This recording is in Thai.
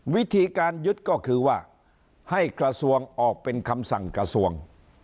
วิธีการยึดก็คือว่าให้กระทรวงออกเป็นคำสั่งกระทรวง